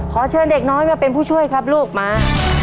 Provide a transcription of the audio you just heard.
ขอเชิญเด็กน้อยมาเป็นผู้ช่วยครับลูกมา